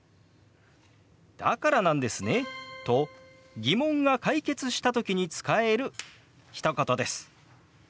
「だからなんですね」と疑問が解決した時に使えるひと言です。